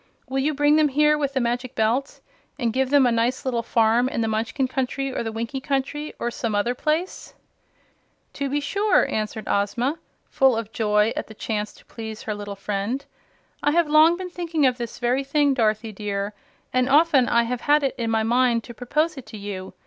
"Will you bring them here with the Magic Belt, and give them a nice little farm in the Munchkin Country, or the Winkie Country or some other place?" "To be sure," answered Ozma, full of joy at the chance to please her little friend. "I have long been thinking of this very thing, Dorothy dear, and often I have had it in my mind to propose it to you.